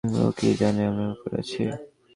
ও কি জানে আমরা উপরে আছি?